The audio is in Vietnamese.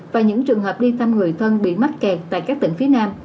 và những trường hợp đi thăm người thân bị mắc kẹt tại các tỉnh phía nam